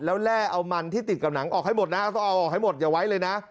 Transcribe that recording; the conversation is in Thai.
แล้วแร่เอามันที่ติดกับหนังออกให้หมดนะต้องเอาออกให้หมดอย่าไว้เลยนะ